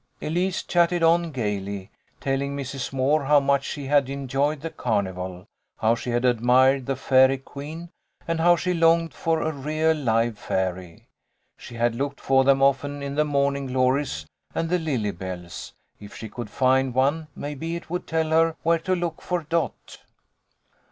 Elise chatted on gaily, telling Mrs. Moore how much she had enjoyed the carnival, how she had admired the fairy queen, and how she longed for a real live fairy. She had looked for them often in the morning glories and the lily bells. If she could find one maybe it would tell her where to look for Dot.